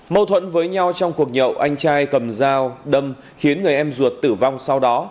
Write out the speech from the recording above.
mâu thuẫn với nhau trong cuộc nhậu anh trai cầm dao đâm khiến người em ruột tử vong sau đó